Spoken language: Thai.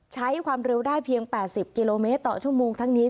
ใช้ความเร็วได้เพียง๘๐กิโลเมตรต่อชั่วโมงทั้งนี้